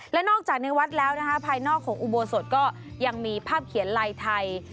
และนอกจากในวัดแล้วนะคะภายนอกของอุโบสถก็ยังมีภาพเขียนลายไทย